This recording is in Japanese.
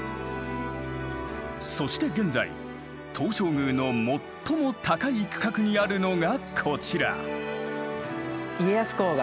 そして現在東照宮の最も高い区画にあるのがこちら。